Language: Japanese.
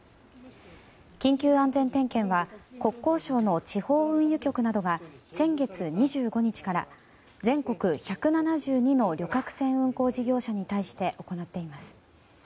緊急安全点検は国交省の地方運輸局などが先月２５日から全国１７２の旅客船運航事業者に対して行っています。